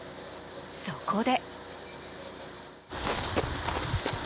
そこで。